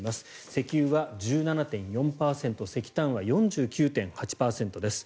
石油は１７．４％石炭は４９．８％です。